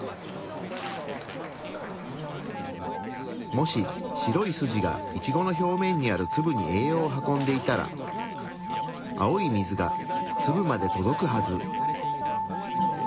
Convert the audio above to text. もし白い筋がイチゴの表面にあるツブに栄養を運んでいたら青い水がツブまで届くはず。